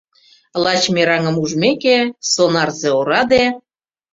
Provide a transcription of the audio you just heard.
Лач мераҥым ужмеке, сонарзе-ораде